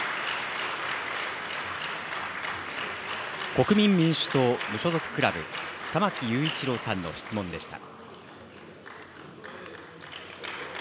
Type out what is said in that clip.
国民民主党・無所属クラブ、玉木雄一郎さんの質問でした。